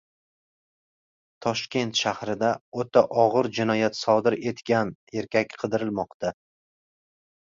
Toshkent shahrida o‘ta og‘ir jinoyat sodir etgan erkak qidirilmoqda